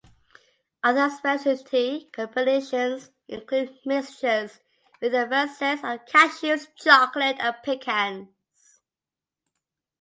Other specialty combinations include mixtures with emphasis on cashews, chocolate, and pecans.